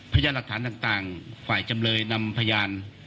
พยานหลักฐานต่างฝ่ายจำเลยนำพยาน